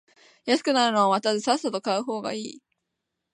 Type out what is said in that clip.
安くなるのを待たずさっさと買う方がいい